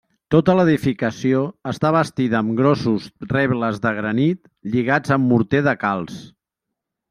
Tota l'edificació està bastida amb grossos rebles de granit lligats amb morter de calç.